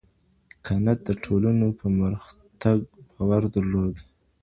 کنت د ټولنو په پرمختګ باور درلود.